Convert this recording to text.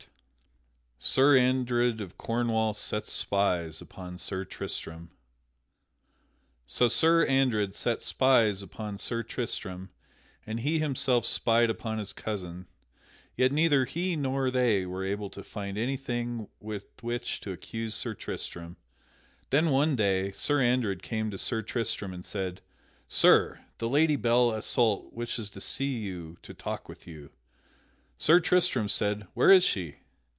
[Sidenote: Sir Andred of Cornwall sets spies upon Sir Tristram] So Sir Andred set spies upon Sir Tristram, and he himself spied upon his cousin, yet neither he nor they were able to find anything with which to accuse Sir Tristram. Then one day Sir Andred came to Sir Tristram and said: "Sir, the Lady Belle Isoult wishes to see you to talk with you." Sir Tristram said, "Where is she?"